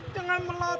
jangan melatot atuh pak